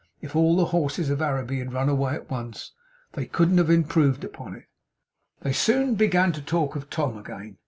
If all the horses in Araby had run away at once, they couldn't have improved upon it. They soon began to talk of Tom again.